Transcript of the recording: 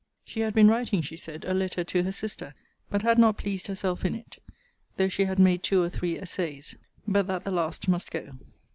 She had been writing, she said, a letter to her sister: but had not pleased herself in it; though she had made two or three essays: but that the last must go.